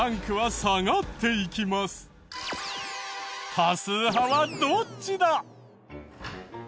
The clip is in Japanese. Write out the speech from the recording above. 多数派はどっちだ？